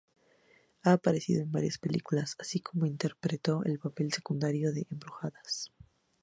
Ha aparecido en varias películas, así como interpretó un papel secundario en Embrujadas.